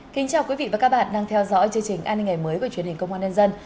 kính chào quý vị và các bạn đang theo dõi chương trình an ninh ngày mới của truyền hình công an nhân dân